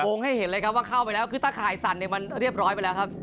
ให้เห็นเลยครับว่าเข้าไปแล้วคือตะข่ายสั่นเนี่ยมันเรียบร้อยไปแล้วครับ